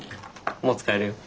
もう使えるよ。